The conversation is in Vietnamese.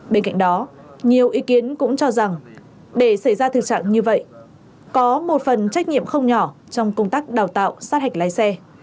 bên cạnh đó nhiều ý kiến cũng cho rằng để xảy ra thực trạng như vậy có một phần trách nhiệm không nhỏ trong công tác đào tạo sát hạch lái xe